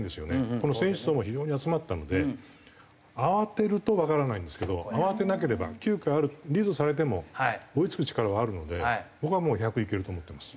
この選手層も非常に集まったので慌てるとわからないんですけど慌てなければ９回あるリードされても追い付く力はあるので僕はもう１００いけると思ってます。